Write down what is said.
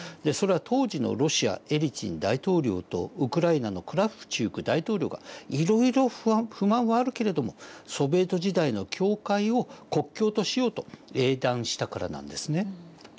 それは当時のロシアエリツィン大統領とウクライナのクラフチュク大統領がいろいろ不満はあるけれどもソビエト時代の境界を国境としようと英断したからなんですね。